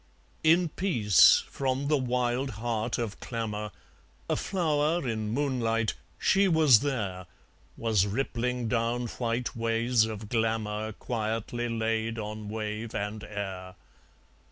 In peace from the wild heart of clamour, A flower in moonlight, she was there, Was rippling down white ways of glamour Quietly laid on wave and air.